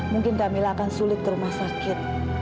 mungkin kami akan sulit ke rumah sakit